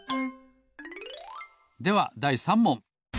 ではだい３もん。